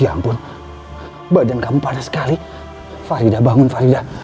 ya ampun badan kamu panas sekali faridah bangun faridah